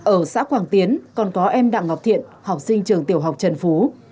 ở xã quảng tiến còn có em đặng ngọc thiện học sinh trường tiểu học trần phú